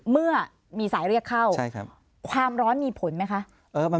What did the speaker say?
เมื่อมีสายเรียกเข้าความร้อนมีผลไหมคะ